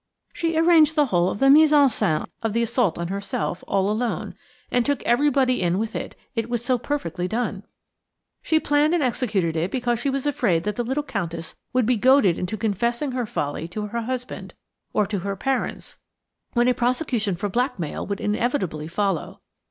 She arranged the whole of the mise en scène of the assault on herself, all alone, and took everybody in with it–it was so perfectly done. She planned and executed it because she was afraid that the little Countess would be goaded into confessing her folly to her husband, or to her own parents, when a prosecution for blackmail would inevitably follow.